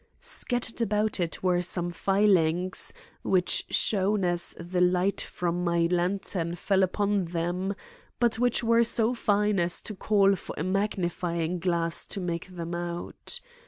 Scattered about it were some filings which shone as the light from my lantern fell upon them, but which were so fine as to call for a magnifying glass to make them out.